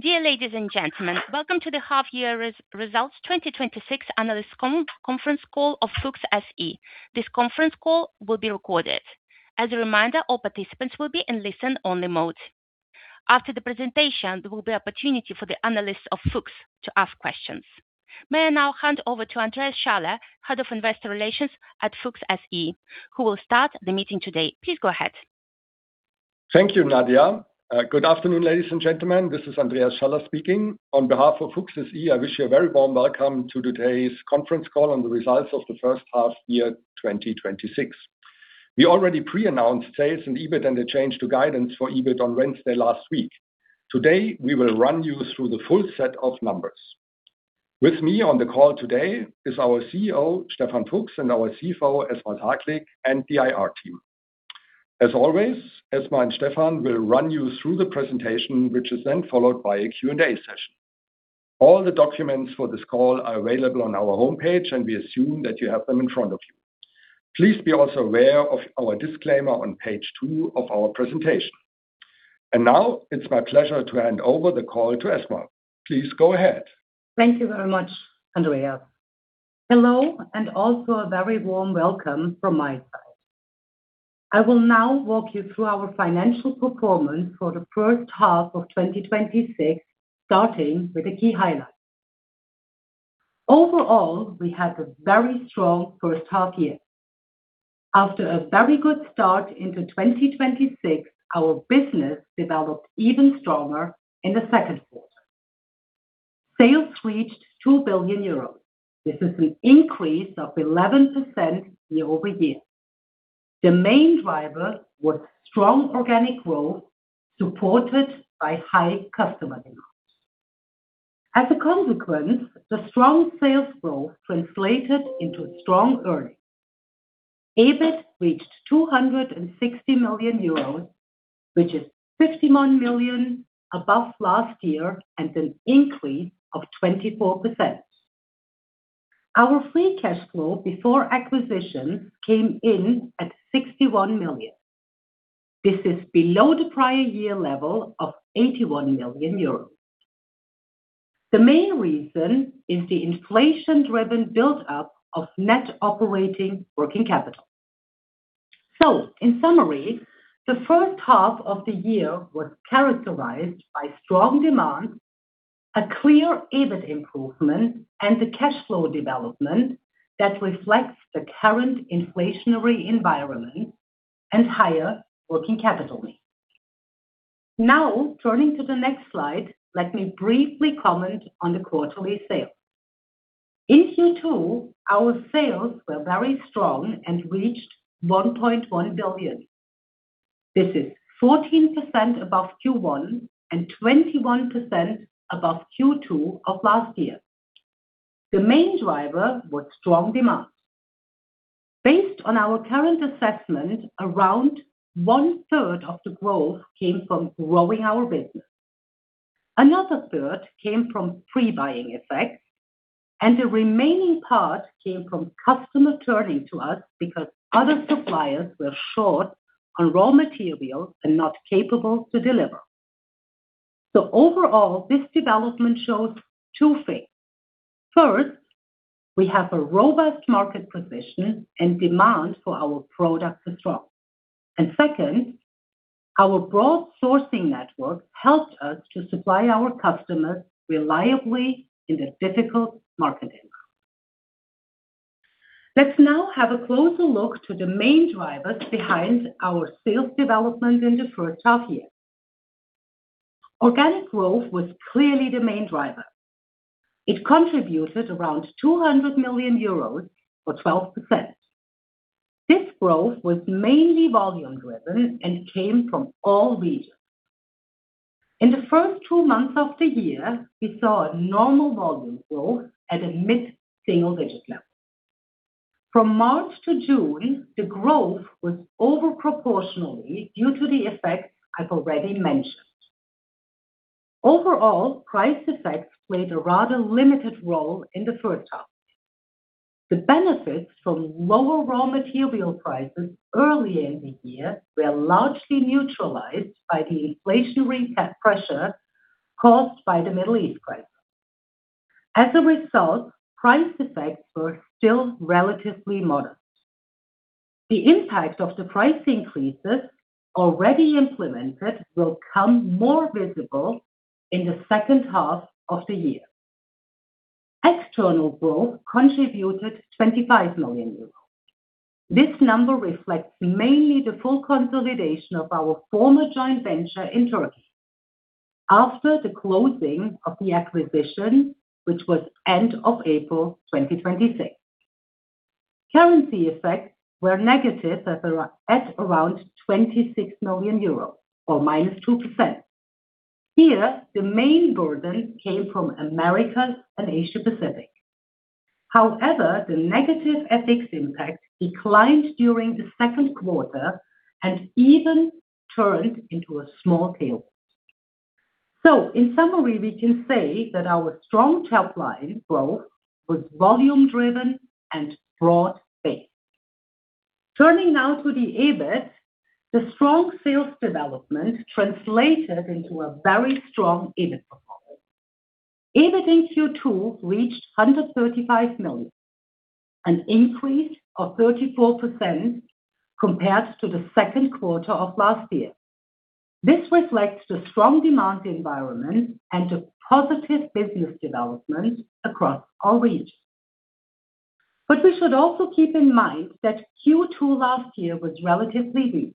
Dear ladies and gentlemen, welcome to the half-year results 2026 analyst conference call of Fuchs SE. This conference call will be recorded. As a reminder, all participants will be in listen-only mode. After the presentation, there will be opportunity for the analysts of Fuchs to ask questions. May I now hand over to Andreas Schaller, Head of Investor Relations at Fuchs SE, who will start the meeting today. Please go ahead. Thank you, Nadia. Good afternoon, ladies and gentlemen. This is Andreas Schaller speaking. On behalf of Fuchs SE, I wish you a very warm welcome to today's conference call on the results of the first half year 2026. We already pre-announced sales and EBIT and the change to guidance for EBIT on Wednesday last week. Today, we will run you through the full set of numbers. With me on the call today is our CEO, Stefan Fuchs, and our CFO, Esma Saglik, and the IR team. As always, Esma and Stefan will run you through the presentation, which is then followed by a Q&A session. All the documents for this call are available on our homepage, and we assume that you have them in front of you. Please be also aware of our disclaimer on page two of our presentation. Now it's my pleasure to hand over the call to Esma. Please go ahead. Thank you very much, Andreas. Hello, and also a very warm welcome from my side. I will now walk you through our financial performance for the first half of 2026, starting with the key highlights. Overall, we had a very strong first half year. After a very good start into 2026, our business developed even stronger in the second quarter. Sales reached 2 billion euros. This is an increase of 11% year-over-year. The main driver was strong organic growth, supported by high customer demands. As a consequence, the strong sales growth translated into strong earnings. EBIT reached 260 million euros, which is 51 million above last year and an increase of 24%. Our free cash flow before acquisition came in at 61 million. This is below the prior year level of 81 million euros. The main reason is the inflation-driven buildup of net operating working capital. In summary, the first half of the year was characterized by strong demand, a clear EBIT improvement, and a cash flow development that reflects the current inflationary environment and higher working capital needs. Turning to the next slide, let me briefly comment on the quarterly sales. In Q2, our sales were very strong and reached 1.1 billion. This is 14% above Q1 and 21% above Q2 of last year. The main driver was strong demand. Based on our current assessment, around 1/3 of the growth came from growing our business. Another 1/3 came from pre-buying effects, and the remaining part came from customer turning to us because other suppliers were short on raw materials and not capable to deliver. Overall, this development shows two things. First, we have a robust market position and demand for our product is strong. Second, our broad sourcing network helped us to supply our customers reliably in the difficult market environment. Let's now have a closer look to the main drivers behind our sales development in the first half-year. Organic growth was clearly the main driver. It contributed around 200 million euros or 12%. This growth was mainly volume driven and came from all regions. In the first two months of the year, we saw a normal volume growth at a mid-single-digit level. From March-June, the growth was over-proportionally due to the effects I've already mentioned. Overall, price effects played a rather limited role in the first half. The benefits from lower raw material prices early in the year were largely neutralized by the inflationary pressure caused by the Middle East crisis. As a result, price effects were still relatively modest. The impact of the price increases already implemented will come more visible in the second half of the year. External growth contributed 25 million euros. This number reflects mainly the full consolidation of our former joint venture in Türkiye after the closing of the acquisition, which was end of April 2026. Currency effects were negative at around 26 million euros or -2%. Here, the main burden came from Americas and Asia-Pacific. However, the negative FX impact declined during the second quarter and even turned into a small tailwind. In summary, we can say that our strong top-line growth was volume driven and broad-based. Turning now to the EBIT, the strong sales development translated into a very strong EBIT performance. EBIT in Q2 reached 135 million, an increase of 34% compared to the second quarter of last year. This reflects the strong demand environment and the positive business development across our regions. We should also keep in mind that Q2 last year was relatively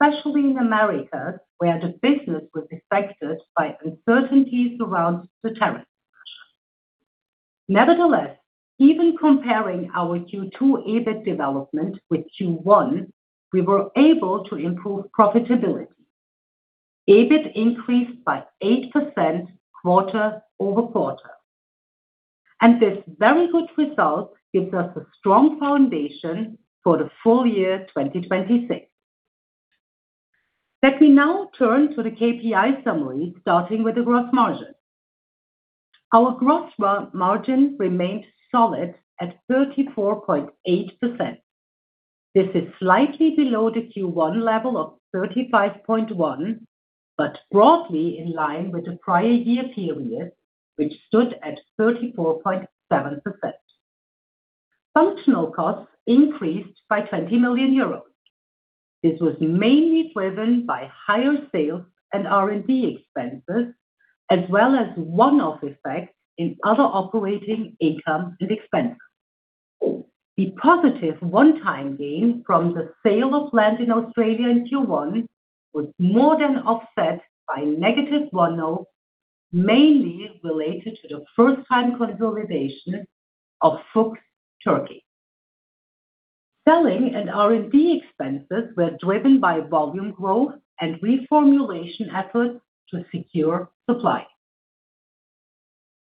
weak, especially in America, where the business was affected by uncertainties around the tariff. Nevertheless, even comparing our Q2 EBIT development with Q1, we were able to improve profitability. EBIT increased by 8% quarter-over-quarter, this very good result gives us a strong foundation for the full year 2026. Let me now turn to the KPI summary, starting with the gross margin. Our gross margin remained solid at 34.8%. This is slightly below the Q1 level of 35.1%, but broadly in line with the prior year period, which stood at 34.7%. Functional costs increased by 20 million euros. This was mainly driven by higher sales and R&D expenses, as well as one-off effects in other operating income and expense. The positive one-time gain from the sale of land in Australia in Q1 was more than offset by negative one-off, mainly related to the first time consolidation of Fuchs Türkiye. Selling and R&D expenses were driven by volume growth and reformulation efforts to secure supply.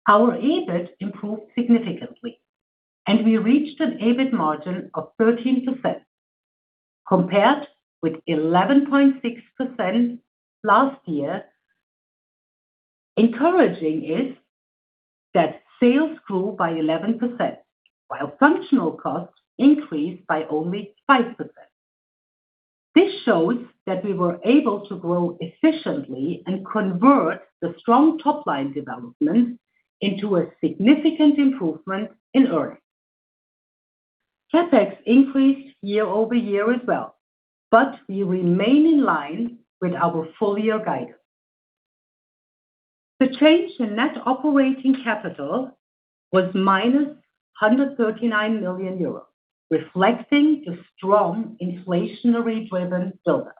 Our EBIT improved significantly, and we reached an EBIT margin of 13%, compared with 11.6% last year. Encouraging is that sales grew by 11%, while functional costs increased by only 5%. This shows that we were able to grow efficiently and convert the strong top-line development into a significant improvement in earnings. CapEx increased year-over-year as well, but we remain in line with our full-year guidance. The change in net operating capital was -139 million euros, reflecting the strong inflationary driven build-up.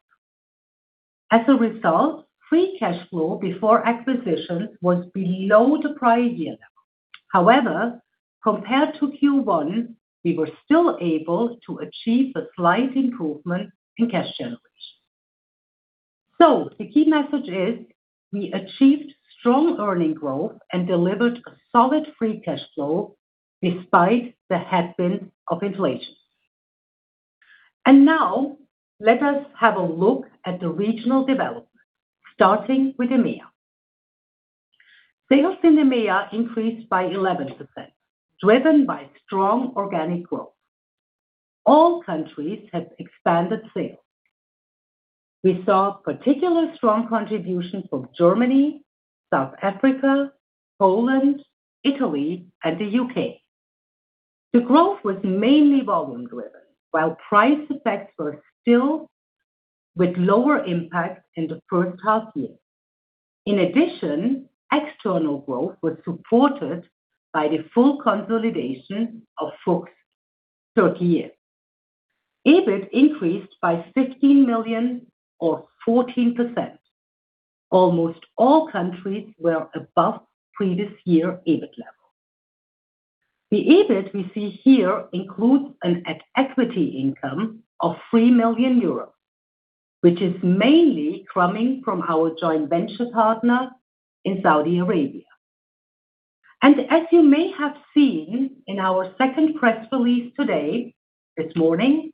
As a result, free cash flow before acquisition was below the prior year level. Compared to Q1, we were still able to achieve a slight improvement in cash generation. The key message is we achieved strong earning growth and delivered a solid free cash flow despite the headwinds of inflation. Now let us have a look at the regional development, starting with EMEA. Sales in EMEA increased by 11%, driven by strong organic growth. All countries had expanded sales. We saw particular strong contribution from Germany, South Africa, Poland, Italy and the U.K. The growth was mainly volume driven, while price effects were still with lower impact in the first half year. In addition, external growth was supported by the full consolidation of Fuchs Türkiye. EBIT increased by 16 million or 14%. Almost all countries were above previous-year EBIT level. The EBIT we see here includes an at-equity income of 3 million euros, which is mainly coming from our joint venture partner in Saudi Arabia. As you may have seen in our second press release today, this morning,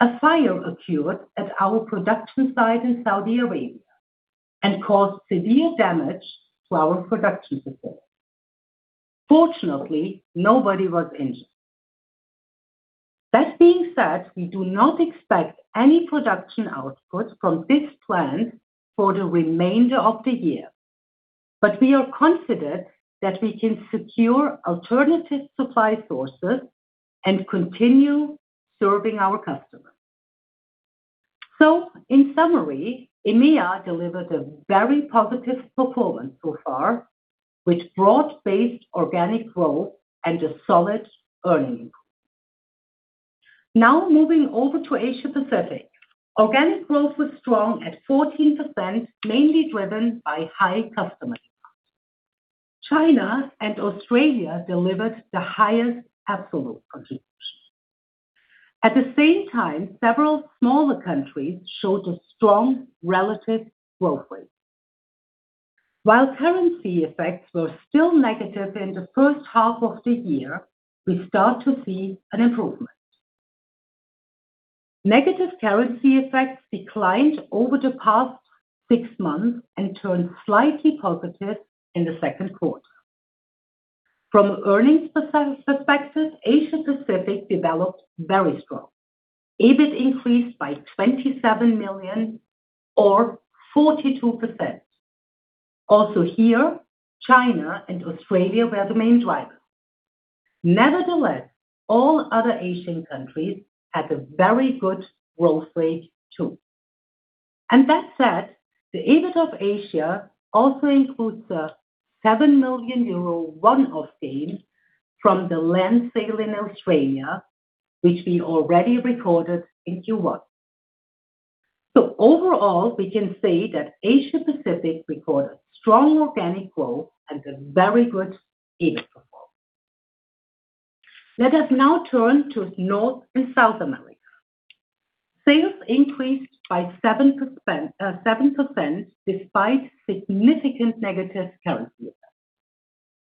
a fire occurred at our production site in Saudi Arabia and caused severe damage to our production facility. Fortunately, nobody was injured. That being said, we do not expect any production output from this plant for the remainder of the year, but we are confident that we can secure alternative supply sources and continue serving our customers. In summary, EMEA delivered a very positive performance so far with broad-based organic growth and a solid earning increase. Now moving over to Asia-Pacific. Organic growth was strong at 14%, mainly driven by high customer demand. China and Australia delivered the highest absolute contributions. At the same time, several smaller countries showed a strong relative growth rate. While currency effects were still negative in the first half of the year, we start to see an improvement. Negative currency effects declined over the past six months and turned slightly positive in the second quarter. From earnings perspective, Asia-Pacific developed very strong. EBIT increased by 27 million or 42%. Also here, China and Australia were the main driver. Nevertheless, all other Asian countries had a very good growth rate too. That said, the EBIT of Asia also includes a 7 million euro one-off gain from the land sale in Australia, which we already recorded in Q1. Overall, we can say that Asia-Pacific recorded strong organic growth and a very good EBIT performance. Let us now turn to North and South America. Sales increased by 7% despite significant negative currency effects.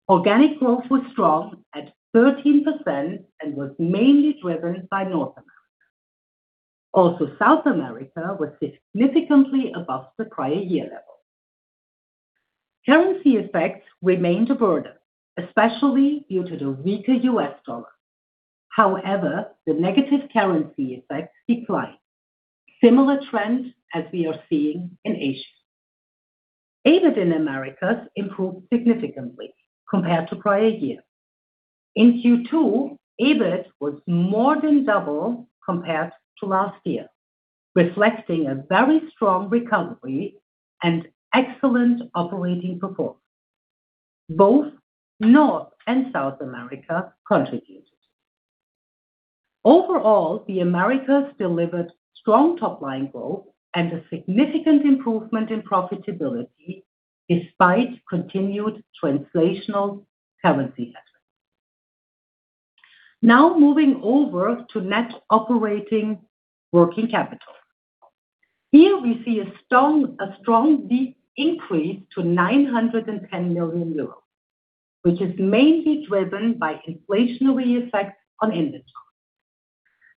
Organic growth was strong at 13% and was mainly driven by North America. Also South America was significantly above the prior year level. Currency effects remained a burden, especially due to the weaker U.S. dollar. However, the negative currency effects declined. Similar trend as we are seeing in Asia. EBIT in Americas improved significantly compared to prior year. In Q2, EBIT was more than double compared to last year, reflecting a very strong recovery and excellent operating performance. Both North and South America contributed. Overall, the Americas delivered strong top-line growth and a significant improvement in profitability despite continued translational currency effects. Moving over to net operating working capital. Here we see a strong increase to 910 million euros, which is mainly driven by inflationary effects on inventory.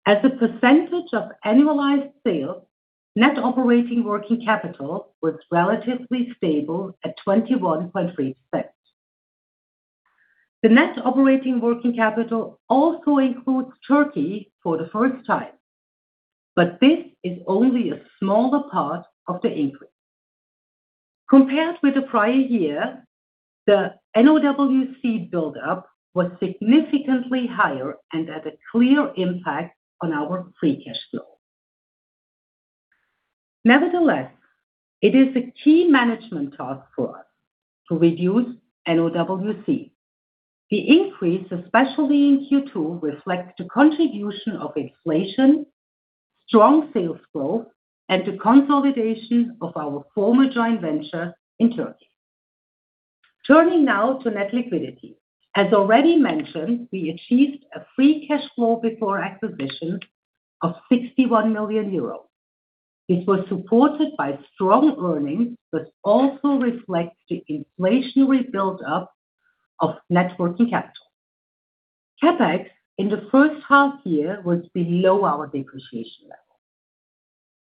As a percentage of annualized sales, net operating working capital was relatively stable at 21.3%. The net operating working capital also includes Türkiye for the first time, this is only a smaller part of the increase. Compared with the prior year, the NOWC buildup was significantly higher and had a clear impact on our free cash flow. Nevertheless, it is a key management task for us to reduce NOWC. The increase, especially in Q2, reflects the contribution of inflation, strong sales growth, and the consolidation of our former joint venture in Türkiye. Turning to net liquidity. As already mentioned, we achieved a free cash flow before acquisition of 61 million euros. This was supported by strong earnings, also reflects the inflationary buildup of net working capital. CapEx in the first half year was below our depreciation level.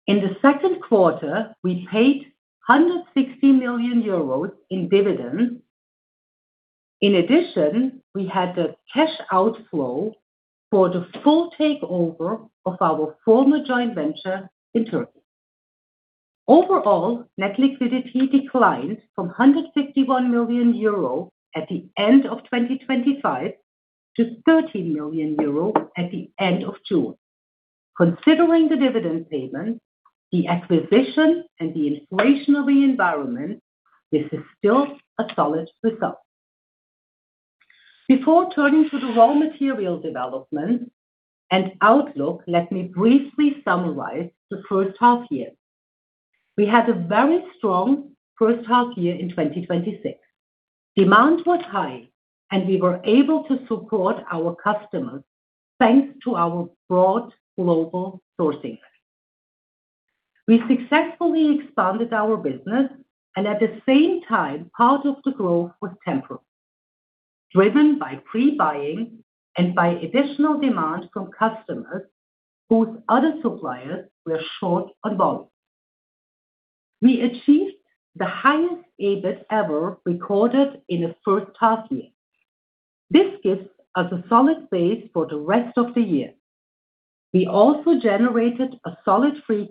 In the second quarter, we paid 160 million euros in dividends. In addition, we had a cash outflow for the full takeover of our former joint venture in Türkiye. Overall, net liquidity declined from 151 million euro at the end of 2025 to 13 million euro at the end of June. Considering the dividend payment, the acquisition, and the inflationary environment, this is still a solid result. Before turning to the raw material development and outlook, let me briefly summarize the first half year. We had a very strong first half year in 2026. Demand was high, we were able to support our customers thanks to our broad global sourcing. We successfully expanded our business, at the same time, part of the growth was temporary, driven by pre-buying and by additional demand from customers whose other suppliers were short on volume. We achieved the highest EBIT ever recorded in the first half year. This gives us a solid base for the rest of the year. We also generated a solid free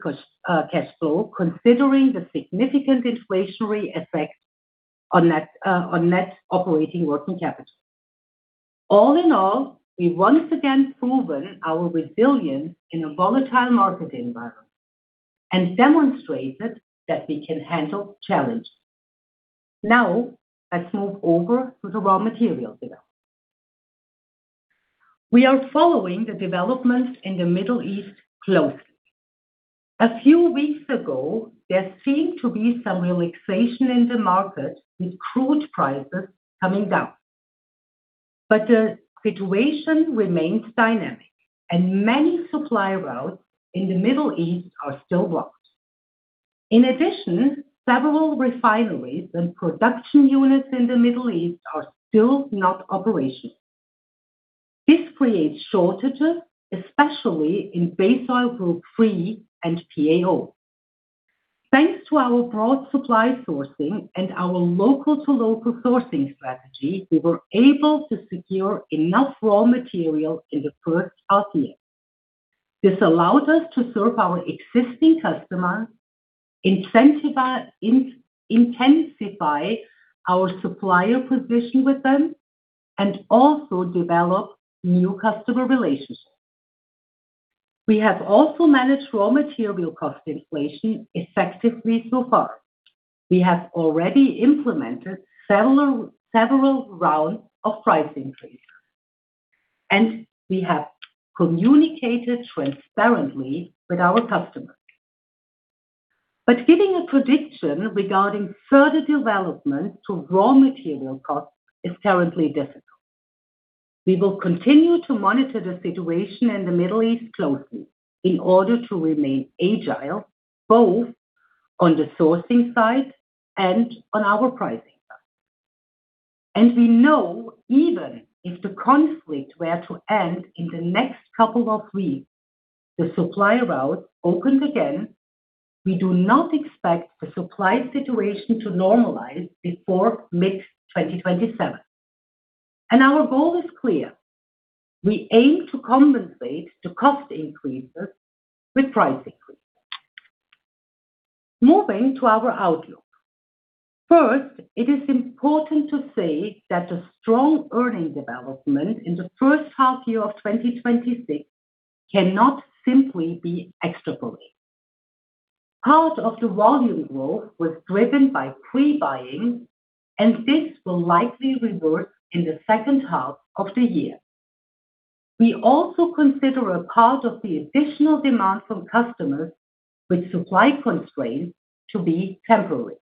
cash flow considering the significant inflationary effect on net operating working capital. All in all, we've once again proven our resilience in a volatile market environment and demonstrated that we can handle challenges. Let's move over to the raw material development. We are following the developments in the Middle East closely. A few weeks ago, there seemed to be some relaxation in the market with crude prices coming down. The situation remains dynamic and many supply routes in the Middle East are still blocked. In addition, several refineries and production units in the Middle East are still not operational. This creates shortages, especially in Base Oil Group III and PAO. Thanks to our broad supply sourcing and our local to local sourcing strategy, we were able to secure enough raw material in the first half year. This allowed us to serve our existing customers, intensify our supplier position with them, and also develop new customer relationships. We have also managed raw material cost inflation effectively so far. We have already implemented several rounds of price increases. We have communicated transparently with our customers. Giving a prediction regarding further development to raw material costs is currently difficult. We will continue to monitor the situation in the Middle East closely in order to remain agile, both on the sourcing side and on our pricing side. We know even if the conflict were to end in the next couple of weeks, the supply routes opened again, we do not expect the supply situation to normalize before mid-2027. Our goal is clear. We aim to compensate the cost increases with price increases. Moving to our outlook. First, it is important to say that the strong earning development in the first half year of 2026 cannot simply be extrapolated. Part of the volume growth was driven by pre-buying, and this will likely revert in the second half of the year. We also consider a part of the additional demand from customers with supply constraints to be temporary.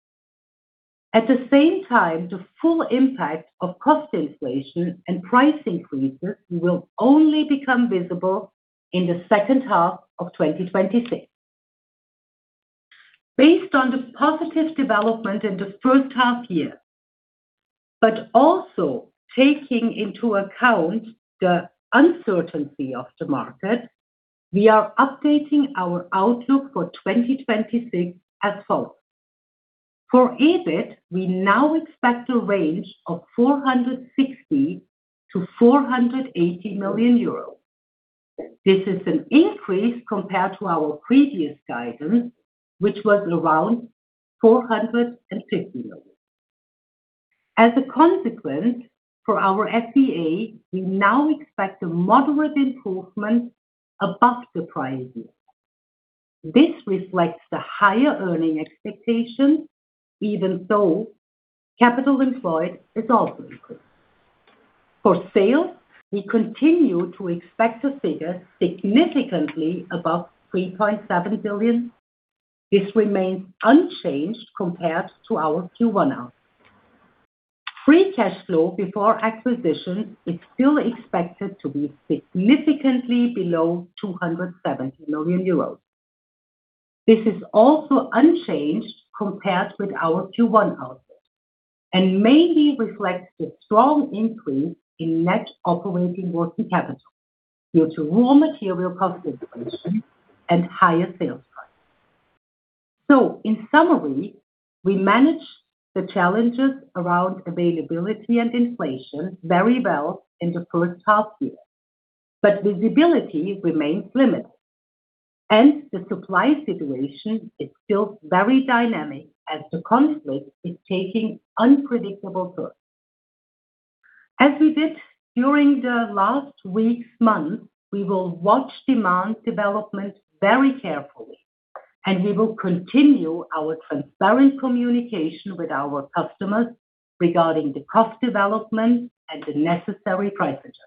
At the same time, the full impact of cost inflation and price increases will only become visible in the second half of 2026. Based on the positive development in the first half year, but also taking into account the uncertainty of the market, we are updating our outlook for 2026 as follows. For EBIT, we now expect a range of 460 million-480 million euros. This is an increase compared to our previous guidance, which was around 450 million. As a consequence for our FCA, we now expect a moderate improvement above the prior year. This reflects the higher earning expectations, even though capital employed is also increased. For sales, we continue to expect a figure significantly above 3.7 billion. This remains unchanged compared to our Q1 outlook. Free cash flow before acquisition is still expected to be significantly below 270 million euros. This is also unchanged compared with our Q1 outlook, mainly reflects the strong increase in net operating working capital due to raw material cost inflation and higher sales price. In summary, we managed the challenges around availability and inflation very well in the first half year, visibility remains limited, and the supply situation is still very dynamic as the conflict is taking unpredictable turns. As we did during the last weeks, months, we will watch demand development very carefully, and we will continue our transparent communication with our customers regarding the cost development and the necessary price adjustments.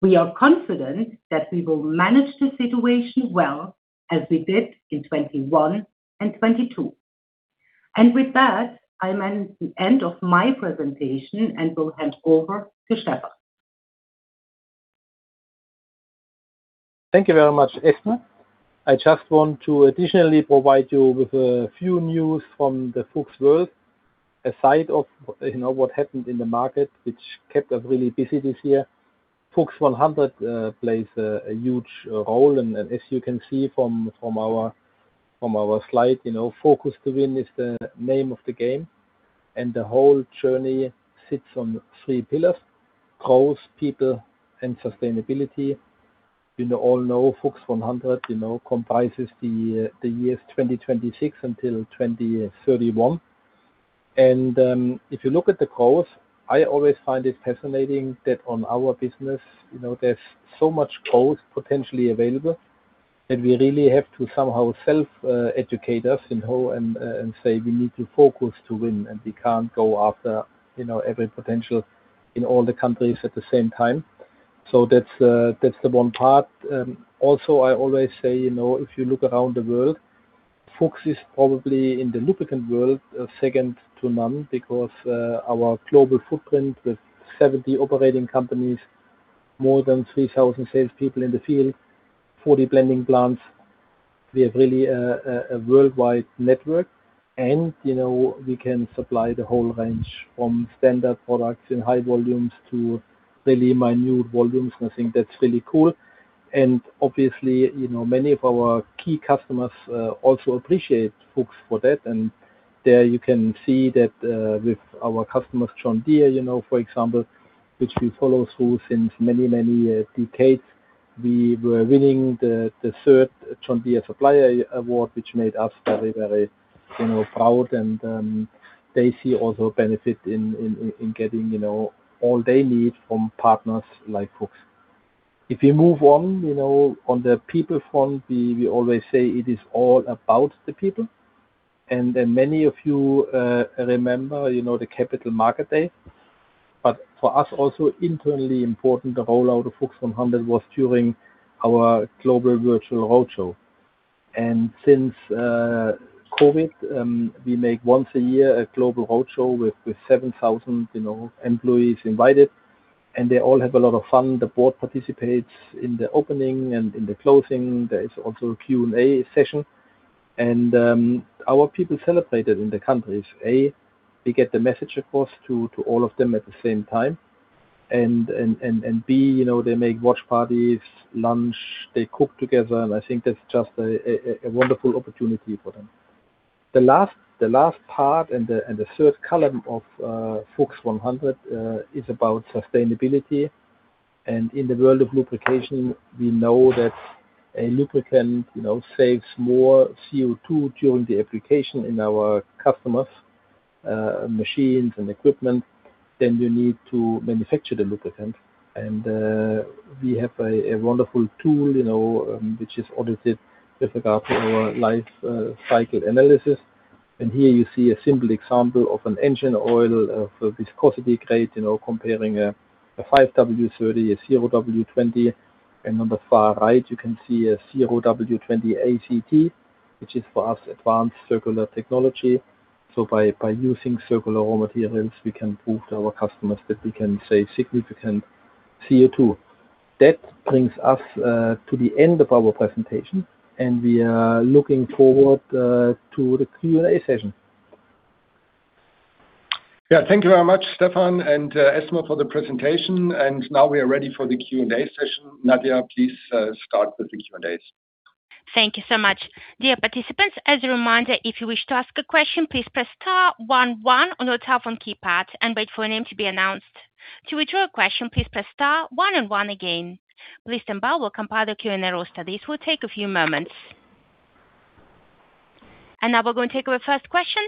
We are confident that we will manage the situation well as we did in 2021 and 2022. With that, I'm at the end of my presentation and will hand over to Stefan. Thank you very much, Esma. I just want to additionally provide you with a few news from the Fuchs world aside of what happened in the market, which kept us really busy this year. FUCHS 100 plays a huge role and as you can see from our slide, FOCUS TO WIN is the name of the game, and the whole journey sits on three pillars: Growth, People, and Sustainability. You all know FUCHS 100 comprises the years 2026 until 2031. If you look at the growth, I always find it fascinating that on our business, there's so much growth potentially available that we really have to somehow self-educate us and say we need to FOCUS TO WIN, and we can't go after every potential in all the countries at the same time. That's the one part. I always say, if you look around the world, Fuchs is probably in the lubricant world, second to none because our global footprint with 70 operating companies, more than 3,000 salespeople in the field, 40 blending plants. We have really a worldwide network, and we can supply the whole range from standard products in high volumes to really minute volumes, and I think that's really cool. Obviously, many of our key customers also appreciate Fuchs for that. There you can see that with our customer, John Deere, for example, which we follow through since many, many decades. We were winning the third John Deere Supplier Award, which made us very proud and they see also benefit in getting all they need from partners like Fuchs. If you move on the people front, we always say it is all about the people. Many of you remember the Capital Market Day. For us also internally important, the rollout of FUCHS 100 was during our global virtual roadshow. Since COVID, we make once a year a global roadshow with 7,000 employees invited, and they all have a lot of fun. The Board participates in the opening and in the closing. There is also a Q&A session. Our people celebrate it in the countries. A, they get the message, of course, to all of them at the same time, and B, they make watch parties, lunch, they cook together, and I think that's just a wonderful opportunity for them. The last part and the third column of FUCHS 100 is about sustainability. In the world of lubrication, we know that a lubricant saves more CO2 during the application in our customers' machines and equipment, than you need to manufacture the lubricant. We have a wonderful tool which is audited with regard to our life cycle analysis. Here you see a simple example of an engine oil of viscosity grade, comparing a 5W-30, a 0W-20, and on the far right you can see a 0W-20 ACT, which is for us Advanced Circular Technology. By using circular raw materials, we can prove to our customers that we can save significant CO2. That brings us to the end of our presentation, and we are looking forward to the Q&A session. Yeah, thank you very much, Stefan and Esma, for the presentation. Now we are ready for the Q&As session. Nadia, please start with the Q&As. Thank you so much. Dear participants, as a reminder, if you wish to ask a question, please press star one one on your telephone keypad and wait for your name to be announced. To withdraw a question, please press star one and one again. Please stand by while we compile the Q&A roster. This will take a few moments. Now we're going to take our first question.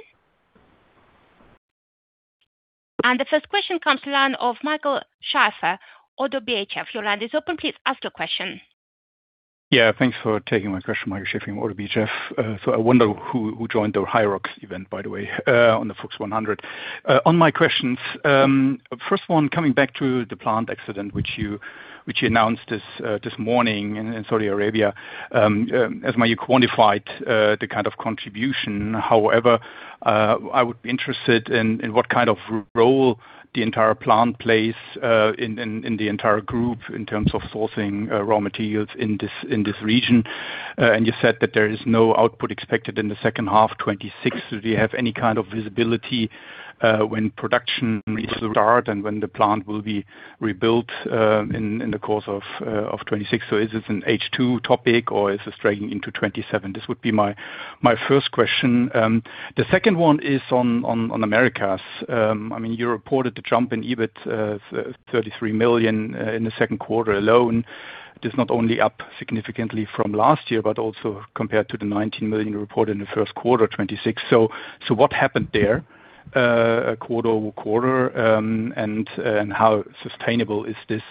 The first question comes the line of Michael Schaefer, ODDO BHF. Your line is open, please ask your question. Yeah, thanks for taking my question, Michael Schaefer from ODDO BHF. I wonder who joined the HYROX event, by the way, on the FUCHS 100. On my questions, first one, coming back to the plant accident which you announced this morning in Saudi Arabia. Esma, you quantified the kind of contribution. However, I would be interested in what kind of role the entire plant plays in the entire group in terms of sourcing raw materials in this region. You said that there is no output expected in the second half 2026. Do you have any kind of visibility when production will start and when the plant will be rebuilt in the course of 2026? Is this an H2 topic or is this dragging into 2027? This would be my first question. The second one is on Americas. You reported the jump in EBIT of 33 million in the second quarter alone. It is not only up significantly from last year but also compared to the 19 million you reported in the first quarter 2026. What happened there quarter-over-quarter, and how sustainable is this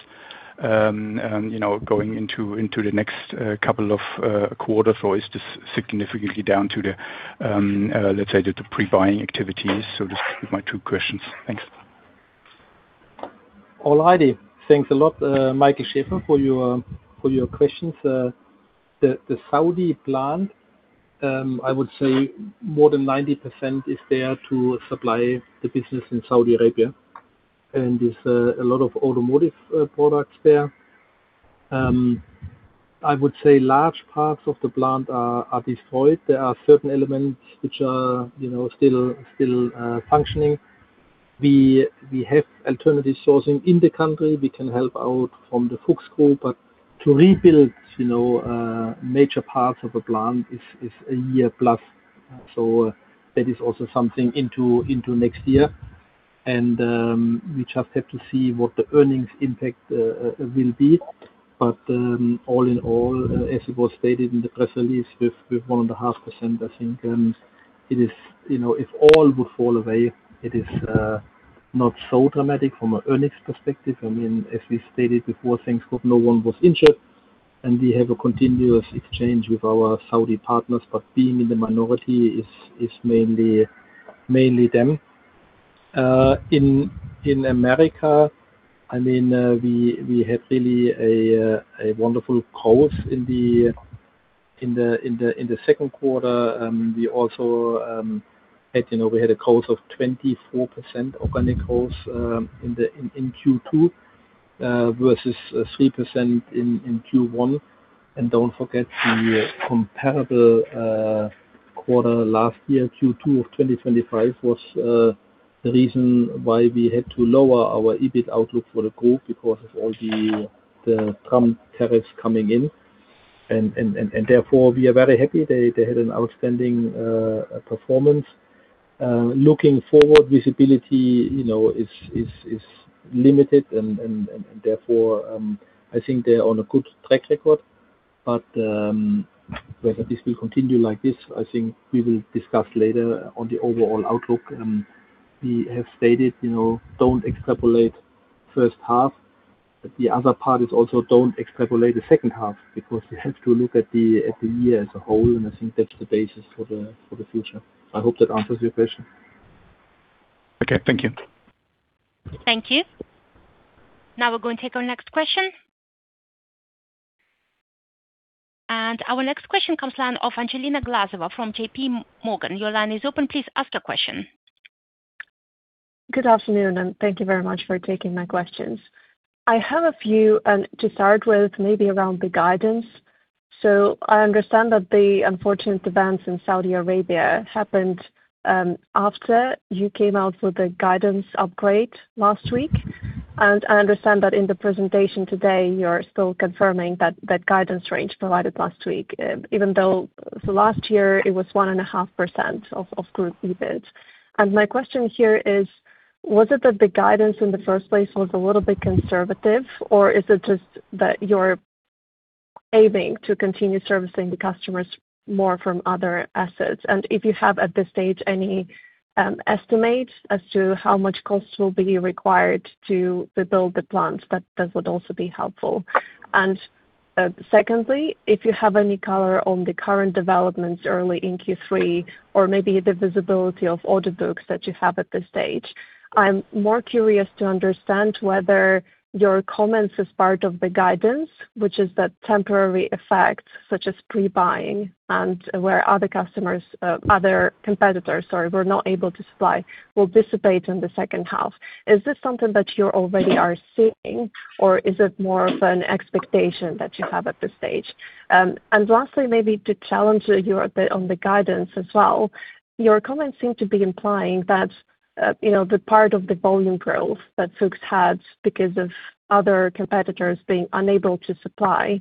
going into the next couple of quarters, or is this significantly down to the pre-buying activities? Those are my two questions. Thanks. All righty. Thanks a lot, Michael Schaefer, for your questions. The Saudi plant, I would say more than 90% is there to supply the business in Saudi Arabia, and there's a lot of automotive products there. I would say large parts of the plant are destroyed. There are certain elements which are still functioning. We have alternative sourcing in the country. We can help out from the Fuchs Group. To rebuild major parts of a plant is a year plus. That is also something into next year, and we just have to see what the earnings impact will be. All in all, as it was stated in the press release with [1.5%] I think if all would fall away, it is not so dramatic from an earnings perspective. As we stated before, thank God no one was injured, and we have a continuous exchange with our Saudi partners. Being in the minority, it's mainly them. In America, we had really a wonderful growth in the second quarter. We had a growth of 24% organic growth in Q2 versus 3% in Q1. Don't forget the comparable quarter last year, Q2 of 2025, was the reason why we had to lower our EBIT outlook for the group because of all the Trump tariffs coming in. Therefore, we are very happy they had an outstanding performance. Looking forward, visibility is limited and therefore, I think they're on a good track record. Whether this will continue like this, I think we will discuss later on the overall outlook. We have stated, don't extrapolate first half. The other part is also don't extrapolate the second half because you have to look at the year as a whole, and I think that's the basis for the future. I hope that answers your question. Okay. Thank you. Thank you. Now we're going to take our next question. Our next question comes line of Angelina Glazova from JPMorgan. Your line is open. Please ask your question. Good afternoon, thank you very much for taking my questions. I have a few, to start with, maybe around the guidance. I understand that the unfortunate events in Saudi Arabia happened after you came out with the guidance upgrade last week. I understand that in the presentation today, you're still confirming that that guidance range provided last week, even though for last year it was 1.5% of group EBIT. My question here is: Was it that the guidance in the first place was a little bit conservative, or is it just that you're aiming to continue servicing the customers more from other assets? If you have, at this stage, any estimates as to how much cost will be required to rebuild the plants, that would also be helpful. Secondly, if you have any color on the current developments early in Q3, or maybe the visibility of order books that you have at this stage, I'm more curious to understand whether your comments as part of the guidance, which is that temporary effects such as pre-buying and where other competitors were not able to supply, will dissipate in the second half. Is this something that you already are seeing, or is it more of an expectation that you have at this stage? Lastly, maybe to challenge you a bit on the guidance as well. Your comments seem to be implying that the part of the volume growth that Fuchs had because of other competitors being unable to supply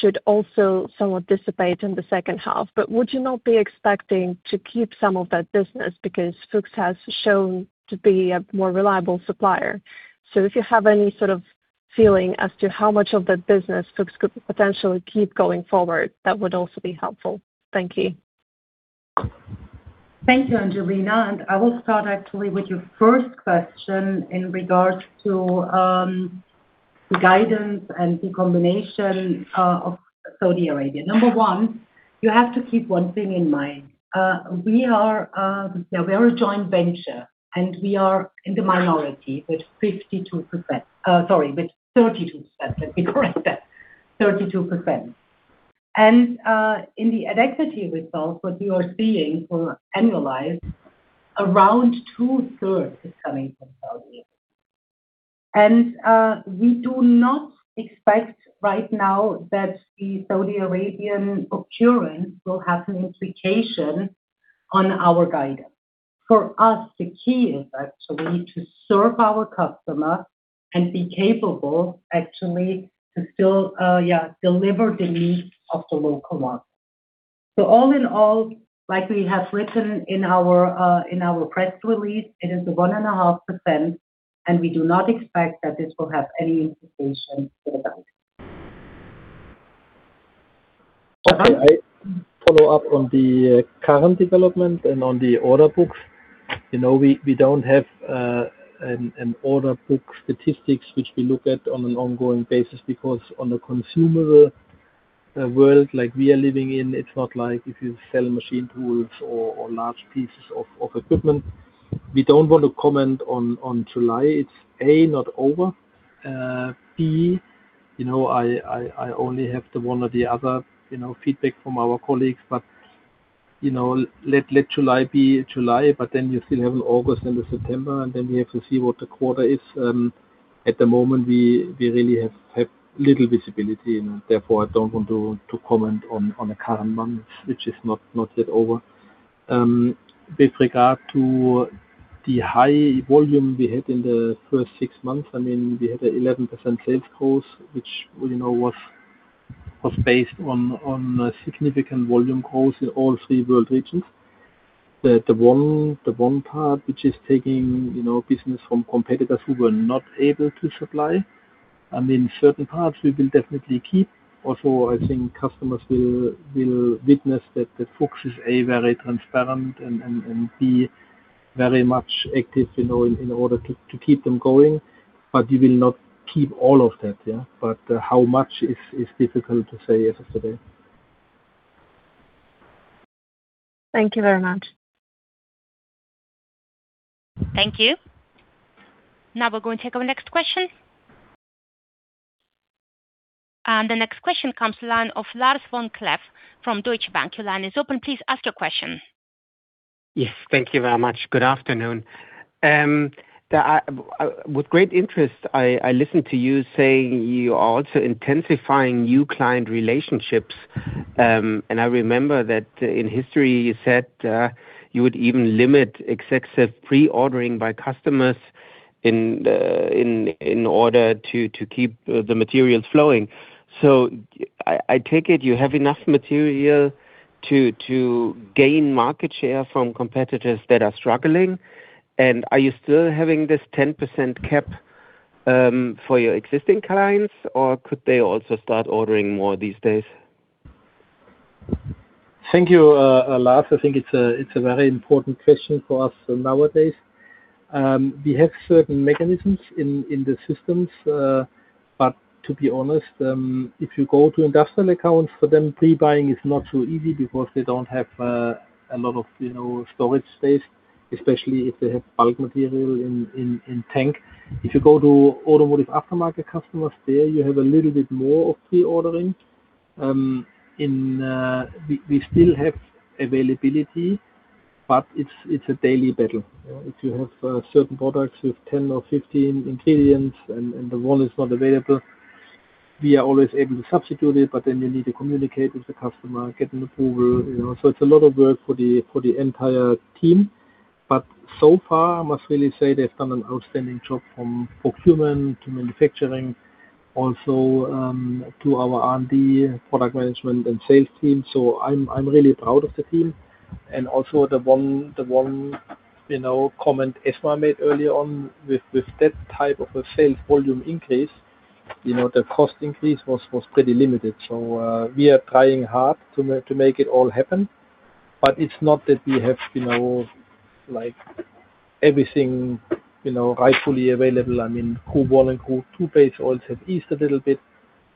should also somewhat dissipate in the second half. Would you not be expecting to keep some of that business because Fuchs has shown to be a more reliable supplier? If you have any sort of feeling as to how much of that business Fuchs could potentially keep going forward, that would also be helpful. Thank you. Thank you, Angelina. I will start actually with your first question in regards to the guidance and the combination of Saudi Arabia. Number one, you have to keep one thing in mind. We are a joint venture, and we are in the minority with 52%. Sorry, with 32%. Let me correct that. 32%. In the at-equity results, what we are seeing for annualized, around 2/3 is coming from Saudi. We do not expect right now that the Saudi Arabian occurrence will have an implication on our guidance. For us, the key is actually to serve our customer and be capable actually to still deliver the needs of the local market. All in all, like we have written in our press release, it is 1.5%. We do not expect that this will have any implication for the guidance. I follow up on the current development and on the order books. We don't have an order book statistics which we look at on an ongoing basis because on the consumer world like we are living in, it's not like if you sell machine tools or large pieces of equipment. We don't want to comment on July. It's A, not over. B, I only have the one or the other feedback from our colleagues. Let July be July. You still have August, end of September. We have to see what the quarter is. At the moment, we really have little visibility. I don't want to comment on the current month, which is not yet over. With regard to the high volume we had in the first six months, we had an 11% sales growth, which was based on a significant volume growth in all three world regions. The one part which is taking business from competitors who were not able to supply. In certain parts, we will definitely keep. Also, I think customers will witness that Fuchs is, A, very transparent and, B, very much active in order to keep them going. We will not keep all of that. How much is difficult to say as of today. Thank you very much. Thank you. Now we're going to take our next question. The next question comes line of Lars Vom Cleff from Deutsche Bank. Your line is open. Please ask your question. Yes, thank you very much. Good afternoon. With great interest, I listened to you say you are also intensifying new client relationships. I remember that in history you said you would even limit excessive pre-ordering by customers in order to keep the materials flowing. I take it you have enough material to gain market share from competitors that are struggling. Are you still having this 10% cap for your existing clients, or could they also start ordering more these days? Thank you, Lars. I think it's a very important question for us nowadays. We have certain mechanisms in the systems, but to be honest, if you go to industrial accounts, for them, pre-buying is not so easy because they don't have a lot of storage space, especially if they have bulk material in tank. If you go to automotive aftermarket customers, there you have a little bit more of pre-ordering. We still have availability, but it's a daily battle. If you have certain products with 10 or 15 ingredients and the raw material is not available, we are always able to substitute it, but then we need to communicate with the customer, get an approval. It's a lot of work for the entire team. I must really say they've done an outstanding job from procurement to manufacturing, also to our R&D, product management, and sales team. I'm really proud of the team and also the one comment Esma made earlier on with that type of a sales volume increase, the cost increase was pretty limited. We are trying hard to make it all happen. It's not that we have everything rightfully available. Group I and Group II base oils have eased a little bit.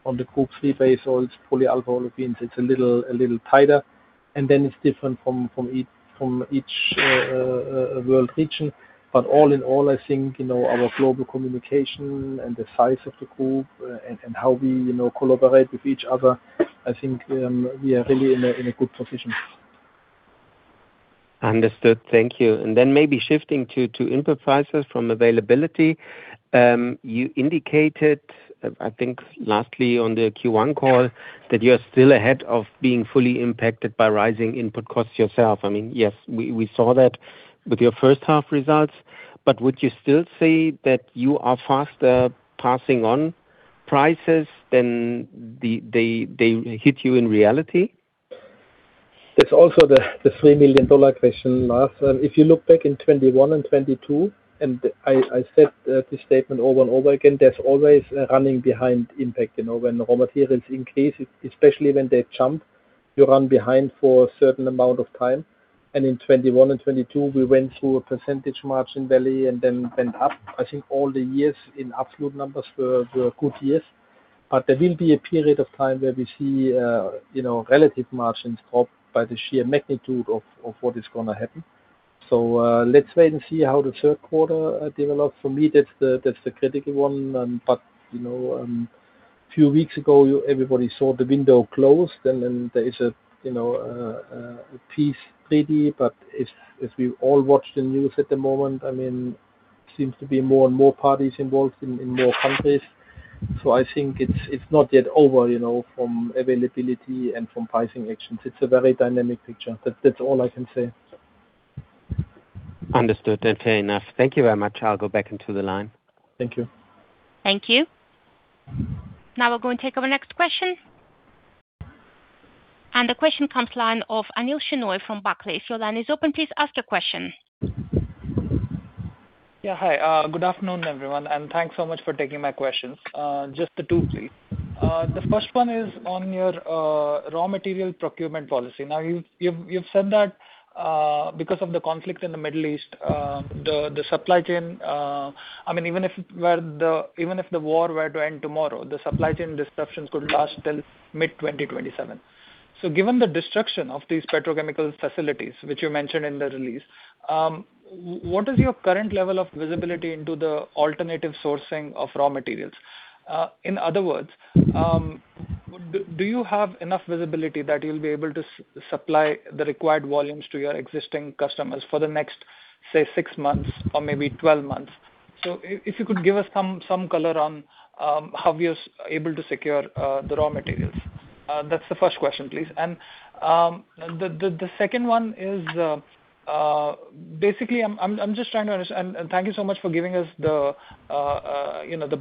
On the Group III base oils, polyalphaolefins, it's a little tighter, and then it's different from each world region. All in all, I think our global communication and the size of the group and how we collaborate with each other, I think we are really in a good position. Understood. Thank you. Maybe shifting to input prices from availability. You indicated, I think lastly on the Q1 call, that you are still ahead of being fully impacted by rising input costs yourself. Yes, we saw that with your first half results, would you still say that you are faster passing on prices than they hit you in reality? That's also the $3 million question, Lars. If you look back in 2021 and 2022, I said this statement over and over again, there's always a running behind impact. When raw materials increase, especially when they jump, you run behind for a certain amount of time. In 2021 and 2022, we went through a percentage margin valley and then went up. I think all the years in absolute numbers were good years. There will be a period of time where we see relative margins drop by the sheer magnitude of what is going to happen. Let's wait and see how the third quarter develops. For me, that's the critical one. A few weeks ago, everybody saw the window closed, there is a peace treaty, if we all watch the news at the moment, it seems to be more and more parties involved in more countries. I think it's not yet over from availability and from pricing actions. It's a very dynamic picture. That's all I can say. Understood. Fair enough. Thank you very much. I'll go back into the line. Thank you. Thank you. Now we'll go and take our next question. The question comes line of Anil Shenoy from Barclays. Your line is open. Please ask your question. Yeah. Hi. Good afternoon, everyone, and thanks so much for taking my questions. Just the two, please. The first one is on your raw material procurement policy. You've said that because of the conflict in the Middle East, the supply chain, even if the war were to end tomorrow, the supply chain disruptions could last till mid-2027. Given the destruction of these petrochemical facilities, which you mentioned in the release, what is your current level of visibility into the alternative sourcing of raw materials? In other words, do you have enough visibility that you'll be able to supply the required volumes to your existing customers for the next, say, six months or maybe 12 months? If you could give us some color on how you're able to secure the raw materials. That's the first question, please. The second one is, basically, I'm just trying to understand, and thank you so much for giving us the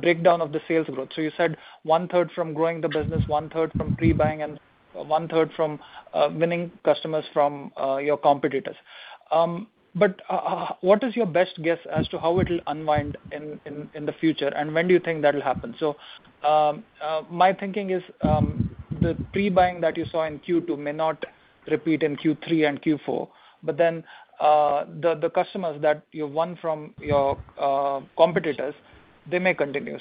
breakdown of the sales growth. You said 1/3 from growing the business, 1/3 from pre-buying, and 1/3 from winning customers from your competitors. What is your best guess as to how it will unwind in the future? When do you think that will happen? My thinking is the pre-buying that you saw in Q2 may not repeat in Q3 and Q4. The customers that you won from your competitors, they may continue.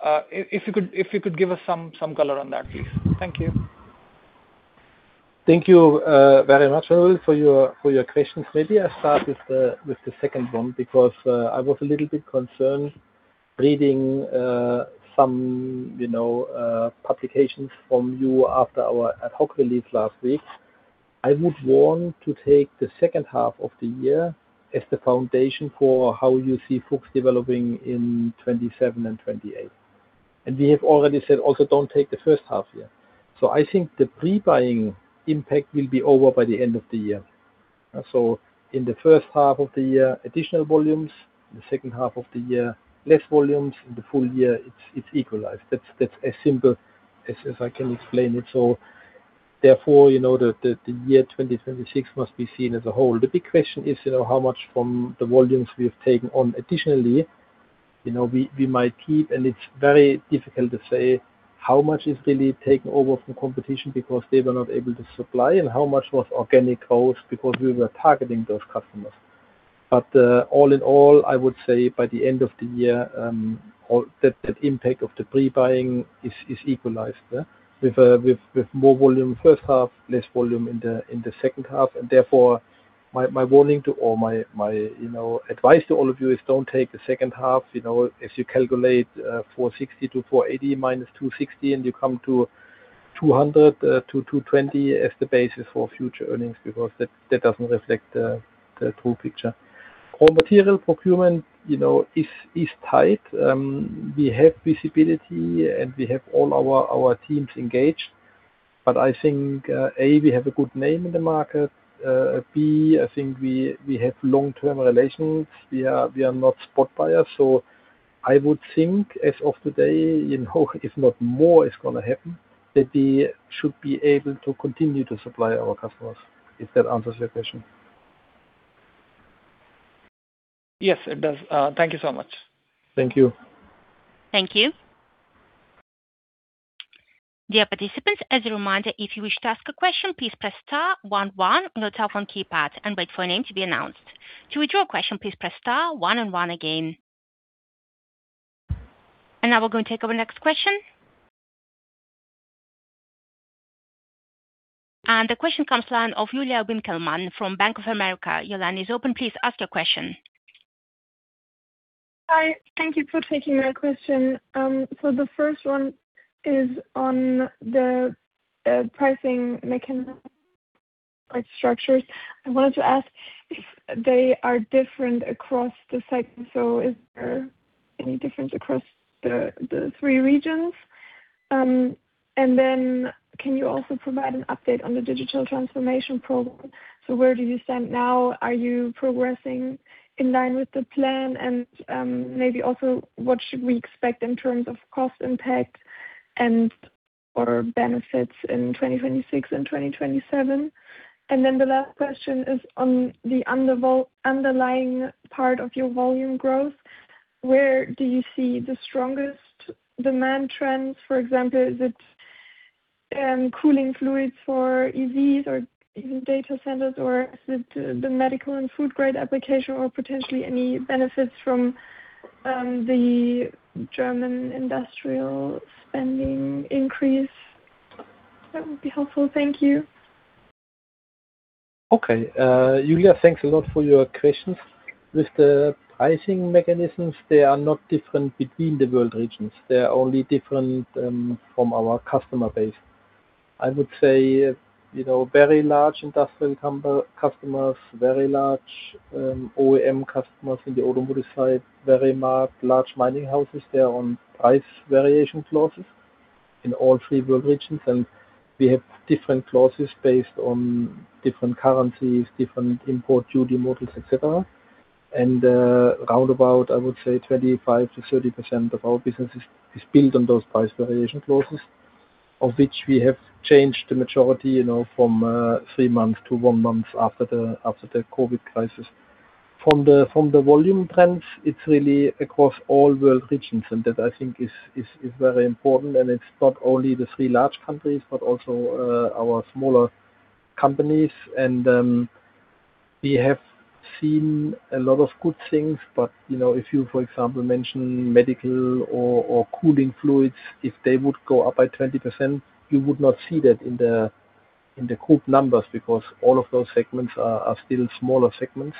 If you could give us some color on that, please. Thank you. Thank you very much, Anil, for your questions. Maybe I start with the second one, because I was a little bit concerned reading some publications from you after our ad hoc release last week. I would want to take the second half of the year as the foundation for how you see Fuchs developing in 2027 and 2028. We have already said also don't take the first half year. I think the pre-buying impact will be over by the end of the year. In the first half of the year, additional volumes, in the second half of the year, less volumes. In the full year, it's equalized. That's as simple as I can explain it. Therefore, the year 2026 must be seen as a whole. The big question is, how much from the volumes we have taken on additionally, we might keep, and it's very difficult to say how much is really taken over from competition because they were not able to supply, and how much was organic growth because we were targeting those customers. All in all, I would say by the end of the year, that impact of the pre-buying is equalized. With more volume first half, less volume in the second half, therefore, my warning to all, my advice to all of you is don't take the second half. If you calculate 460-480, -260, you come to 200-220 as the basis for future earnings, because that doesn't reflect the true picture. Raw material procurement is tight. We have visibility, and we have all our teams engaged. I think, A, we have a good name in the market. B, I think we have long-term relations. We are not spot buyers. I would think as of today, if not more is going to happen, that we should be able to continue to supply our customers. If that answers your question. Yes, it does. Thank you so much. Thank you. Thank you. Dear participants, as a reminder, if you wish to ask a question, please press star one one on your telephone keypad and wait for a name to be announced. To withdraw a question, please press star one and one again. Now we're going to take our next question. The question comes line of Julia Winckelmann from Bank of America. Julia, line is open, please ask your question. Hi. Thank you for taking my question. The first one is on the pricing mechanism structures. I wanted to ask if they are different across the segment. Is there any difference across the three regions? Can you also provide an update on the digital transformation program? Where do you stand now? Are you progressing in line with the plan? Maybe also what should we expect in terms of cost impact and or benefits in 2026 and 2027? The last question is on the underlying part of your volume growth. Where do you see the strongest demand trends? For example, is it cooling fluids for EVs or even data centers, or is it the medical and food-grade application or potentially any benefits from the German industrial spending increase? That would be helpful. Thank you. Julia, thanks a lot for your questions. With the pricing mechanisms, they are not different between the world regions. They are only different from our customer base. I would say very large industrial customers, very large OEM customers in the automotive side, very large mining houses, they are on price variation clauses in all three world regions, and we have different clauses based on different currencies, different import duty models, etc. Roundabout, I would say 25%-30% of our business is built on those price variation clauses, of which we have changed the majority from three months to one month after the COVID crisis. From the volume trends, it's really across all world regions, and that I think is very important, and it's not only the three large countries, but also our smaller companies. We have seen a lot of good things, if you, for example, mention medical or cooling fluids, if they would go up by 20%, you would not see that in the group numbers because all of those segments are still smaller segments.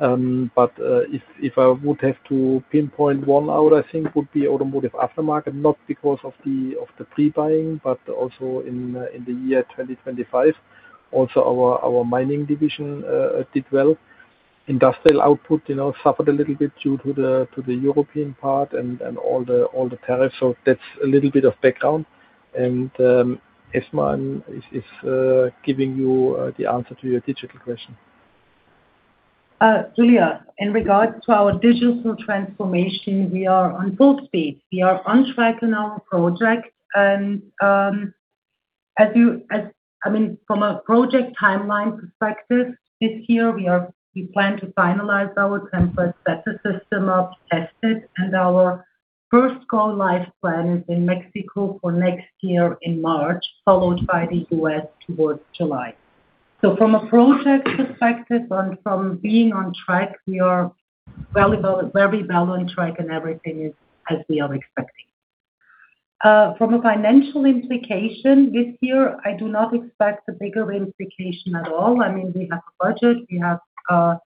If I would have to pinpoint one out, I think would be automotive aftermarket, not because of the pre-buying, but also in the year 2025. Also our mining division did well. Industrial output suffered a little bit due to the European part and all the tariffs. That's a little bit of background and Esma is giving you the answer to your digital question. Julia, in regards to our digital transformation, we are on full speed. We are on track in our project. From a project timeline perspective, this year we plan to finalize our template, set the system up, test it, and our first go-live plan is in Mexico for next year in March, followed by the U.S. towards July. From a project perspective and from being on track, we are very well on track and everything is as we are expecting. From a financial implication this year, I do not expect a bigger implication at all. We have a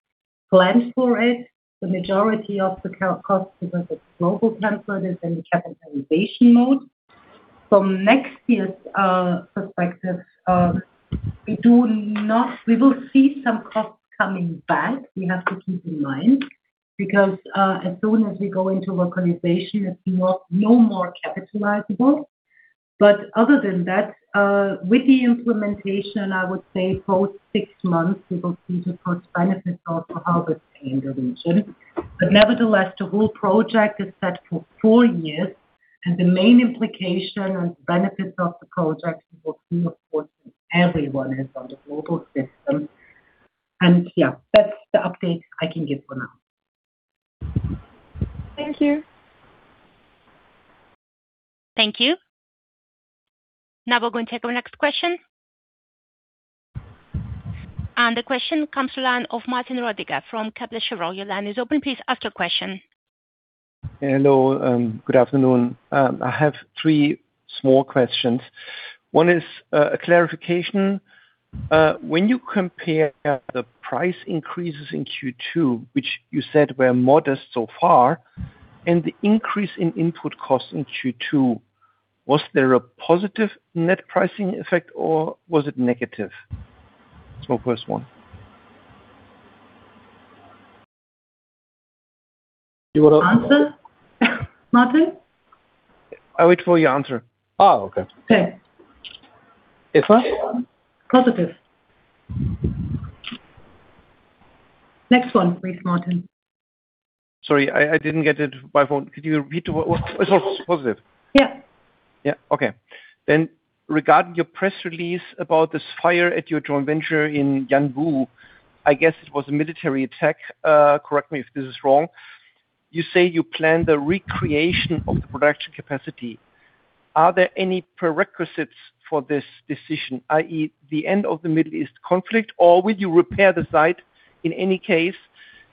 budget, we have planned for it. The majority of the cost, because it's global template, is in the capitalization mode. From next year's perspective, we will see some costs coming back, we have to keep in mind, because as soon as we go into localization, it's no more capitalizable. Other than that, with the implementation, I would say post six months, we will see the first benefits also how it's in the region. Nevertheless, the whole project is set for four years, and the main implication and benefits of the project we will see, of course, when everyone is on the global system. Yeah, that's the update I can give for now. Thank you. Thank you. Now we're going to take our next question. The question comes the line of Martin Roediger from Kepler Cheuvreux. Your line is open. Please ask your question. Hello, good afternoon. I have three small questions. One is a clarification. When you compare the price increases in Q2, which you said were modest so far, and the increase in input costs in Q2, was there a positive net pricing effect or was it negative? That's my first one. Answer, Martin? I wait for your answer. Oh, okay. Okay. It's what? Positive. Next one, please, Martin. Sorry, I didn't get it by phone. Could you repeat? It's all positive. Yeah. Yeah, okay. Regarding your press release about this fire at your joint venture in Yanbu. I guess it was a military attack, correct me if this is wrong. You say you plan the recreation of the production capacity. Are there any prerequisites for this decision, i.e., the end of the Middle East conflict, or will you repair the site in any case,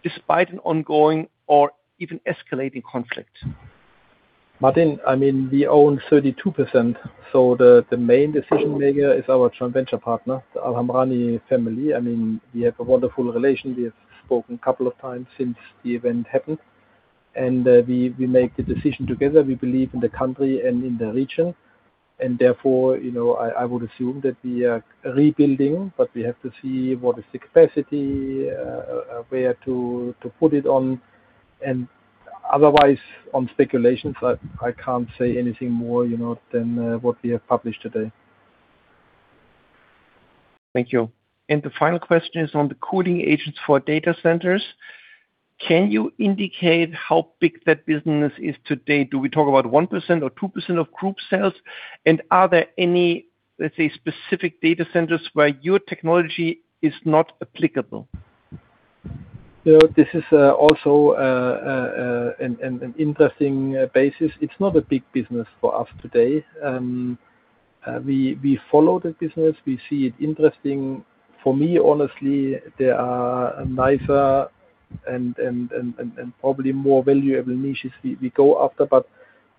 despite an ongoing or even escalating conflict? Martin, we own 32%, so the main decision-maker is our joint venture partner, the Alhamrani family. We have a wonderful relation. We have spoken a couple of times since the event happened. We make the decision together. We believe in the country and in the region, therefore, I would assume that we are rebuilding. We have to see what is the capacity, where to put it on. Otherwise, on speculations, I can't say anything more than what we have published today. Thank you. The final question is on the cooling agents for data centers. Can you indicate how big that business is today? Do we talk about 1% or 2% of group sales? Are there any, let's say, specific data centers where your technology is not applicable? This is also an interesting basis. It's not a big business for us today. We follow the business. We see it interesting. For me, honestly, there are nicer and probably more valuable niches we go after.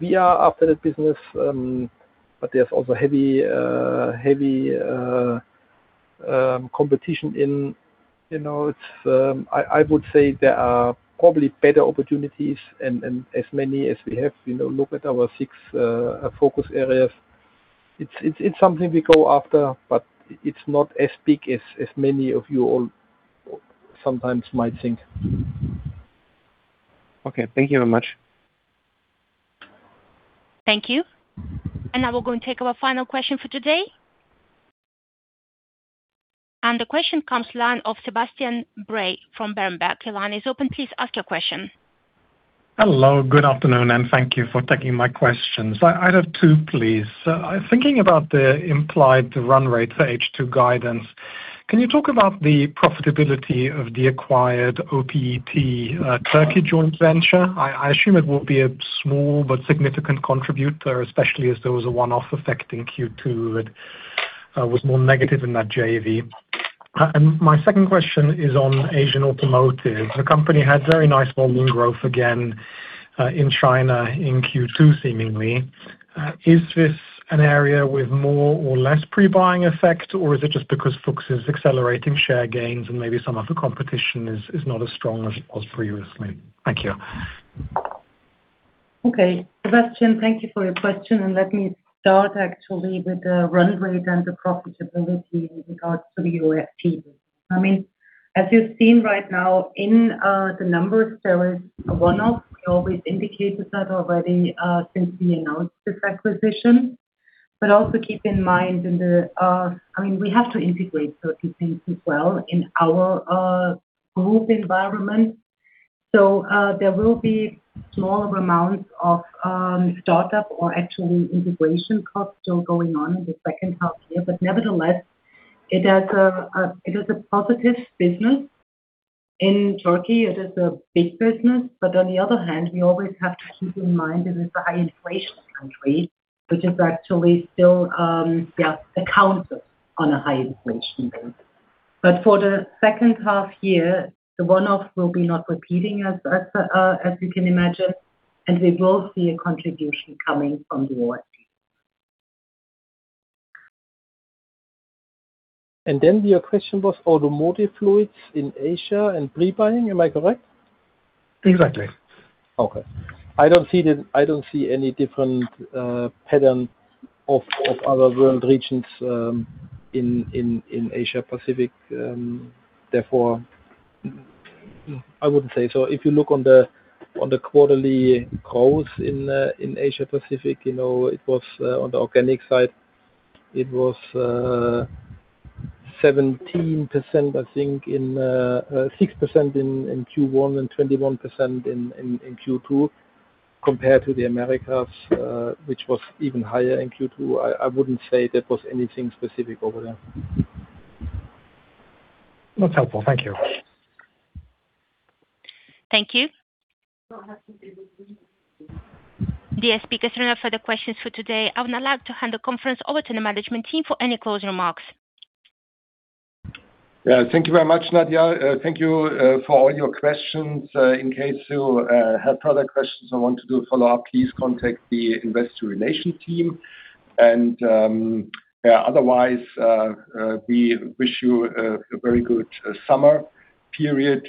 We are after that business, there's also heavy competition. I would say there are probably better opportunities and as many as we have, look at our six focus areas. It's something we go after, but it's not as big as many of you all sometimes might think. Okay. Thank you very much. Thank you. Now we're going to take our final question for today. The question comes line of Sebastian Bray from Berenberg. Your line is open. Please ask your question. Hello, good afternoon, thank you for taking my questions. I have two, please. Thinking about the implied run rate for H2 guidance, can you talk about the profitability of the acquired OPET Türkiye joint venture? I assume it will be a small but significant contributor, especially as there was a one-off effect in Q2 that was more negative in that JV. My second question is on Asian automotive. The company had very nice volume growth again, in China, in Q2, seemingly. Is this an area with more or less pre-buying effect, or is it just because Fuchs is accelerating share gains and maybe some of the competition is not as strong as it was previously? Thank you. Okay. Sebastian, thank you for your question, let me start actually with the run rate and the profitability in regards to the OPET. As you've seen right now in the numbers, there is a one-off. We always indicated that already, since we announced this acquisition. Also keep in mind, we have to integrate certain things as well in our group environment. There will be smaller amounts of startup or actually integration costs still going on in the second half year. Nevertheless, it is a positive business. In Türkiye, it is a big business. On the other hand, we always have to keep in mind that it's a high inflation country, which is actually still accounts on a high inflation rate. For the second half year, the one-off will be not repeating as you can imagine, we will see a contribution coming from the war. Your question was automotive fluids in Asia and pre-buying. Am I correct? Exactly. Okay. I don't see any different pattern of other world regions in Asia-Pacific. Therefore, I wouldn't say so. If you look on the quarterly growth in Asia-Pacific, it was on the organic side, it was 17%, I think, 6% in Q1 and 21% in Q2 compared to the Americas, which was even higher in Q2. I wouldn't say there was anything specific over there. That's helpful. Thank you. Thank you. The speakers run out of further questions for today. I would now like to hand the conference over to the management team for any closing remarks. Yeah. Thank you very much, Nadia. Thank you for all your questions. In case you have further questions or want to do a follow-up, please contact the investor relation team. Otherwise, we wish you a very good summer period.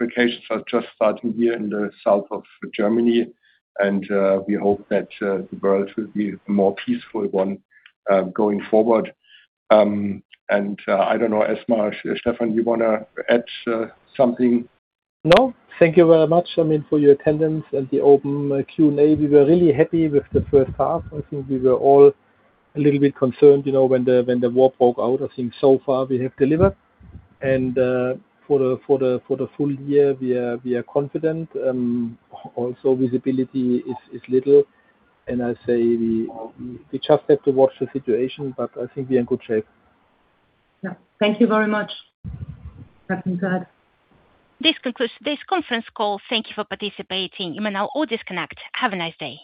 Vacations are just starting here in the south of Germany, and we hope that the world will be more peaceful one going forward. I don't know, Esma, Stefan, you want to add something? No. Thank you very much. I mean, for your attendance at the open Q&A. We were really happy with the first half. I think we were all a little bit concerned when the war broke out. I think so far we have delivered. For the full year, we are confident. Also visibility is little, I say we just have to watch the situation, but I think we are in good shape. Yeah. Thank you very much. This concludes this conference call. Thank you for participating. You may now all disconnect. Have a nice day.